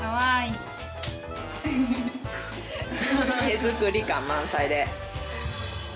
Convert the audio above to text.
手作り感満載で。